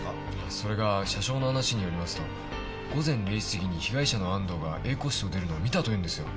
それが車掌の話によりますと午前０時過ぎに被害者の安藤がＡ個室を出てきたのを見たというんですよ。